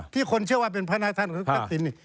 ที่คนเชื่อว่าเป็นพระนาท่านหัวหน้าทักศิลป์